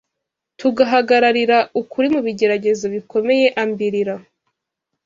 tugahagararira ukuri mu bigeragezo bikomeyeambirira